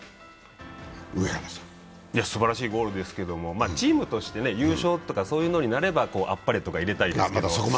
すばらしいゴールですけれども、チームとして優勝とか、そういうのになればあっぱれとか入れたいですけど。